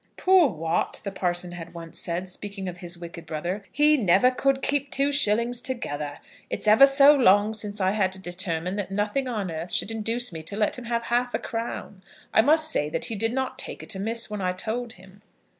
"Poor Wat!" the parson had once said, speaking of his wicked brother; "he never could keep two shillings together. It's ever so long since I had to determine that nothing on earth should induce me to let him have half a crown. I must say that he did not take it amiss when I told him."